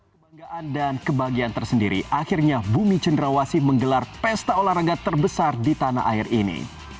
kebanggaan dan kebahagiaan tersendiri akhirnya bumi cenderawasi menggelar pesta olahraga terbesar di tanah air ini